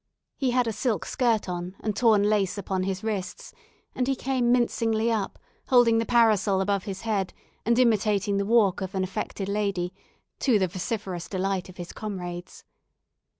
He had a silk skirt on, and torn lace upon his wrists, and he came mincingly up, holding the parasol above his head, and imitating the walk of an affected lady, to the vociferous delight of his comrades.